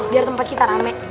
biar tempat kita rame